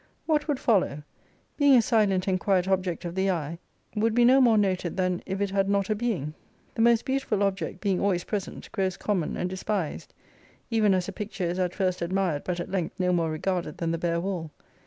What would follow ? Being a silent and quiet object of the eye, would be no more noted than if it had not a being, The most beautiful object being always present, grows common and despised. Even as a picture is at first admired, but at length no more regarded than the bare wall.